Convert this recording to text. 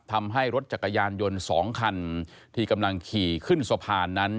ทำให้รถจักรยานยนต์๒คันที่กำลังขี่ขึ้นสะพานนั้น